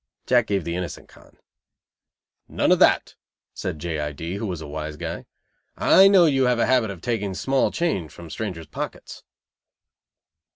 Jack gave the "innocent con." "None of that," said J. I. D., who was a wise guy, "I know you have a habit of taking small change from strangers' pockets."